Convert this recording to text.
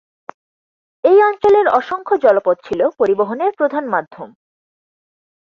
এই অঞ্চলের অসংখ্য জলপথ ছিল পরিবহনের প্রধান মাধ্যম।